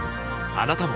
あなたも